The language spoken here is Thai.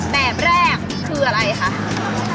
แบบแรกคืออะไรคะ